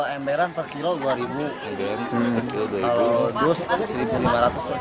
emberan per kilo rp dua